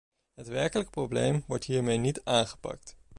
Het werkelijke probleem wordt hiermee niet aangepakt.